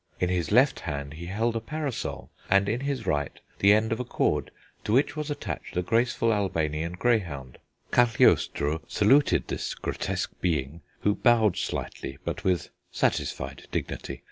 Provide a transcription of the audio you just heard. In his left hand he held a parasol, and in his right the end of a cord, to which was attached a graceful Albanian greyhound.... Cagliostro saluted this grotesque being, who bowed slightly, but with satisfied dignity.